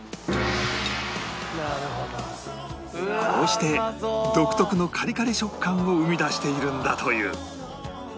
こうして独特のカリカリ食感を生み出しているんだという